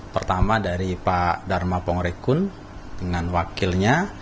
pertama dari pak dharma pongorekun dengan wakilnya